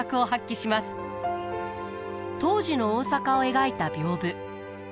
当時の大阪を描いた屏風。